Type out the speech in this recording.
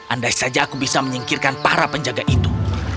andai saja aku bisa menyingkirkan para penjaga itu